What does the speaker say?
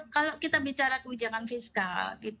kalau kita bicara kebijakan fiskal